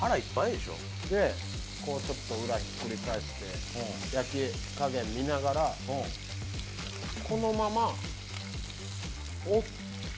でこうちょっと裏ひっくり返して焼き加減見ながらこのまま折って。